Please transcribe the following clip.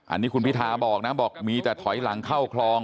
อันนี้คุณพิทาบอกนะบอกมีแต่ถอยหลังเข้าคลอง